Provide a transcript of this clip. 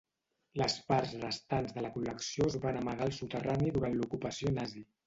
Les parts restants de la col·lecció es van amagar al soterrani durant l'ocupació nazi.